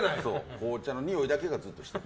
紅茶のにおいだけがずっとしてる。